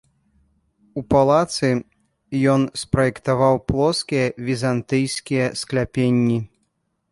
У палацы ён спраектаваў плоскія візантыйскія скляпенні.